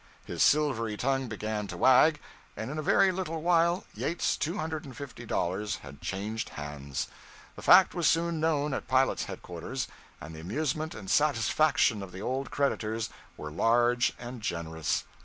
His silvery tongue began to wag, and in a very little while Yates's two hundred and fifty dollars had changed hands. The fact was soon known at pilot headquarters, and the amusement and satisfaction of the old creditors were large and generous.